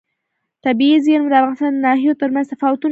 طبیعي زیرمې د افغانستان د ناحیو ترمنځ تفاوتونه رامنځ ته کوي.